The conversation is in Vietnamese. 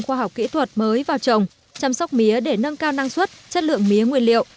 khoa học kỹ thuật mới vào trồng chăm sóc mía để nâng cao năng suất chất lượng mía nguyên liệu